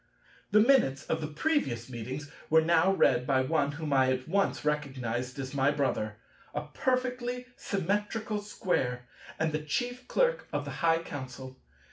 The minutes of the previous meetings were now read by one whom I at once recognized as my brother, a perfectly Symmetrical Square, and the Chief Clerk of the High Council.